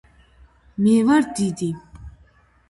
მე ვარ დიდი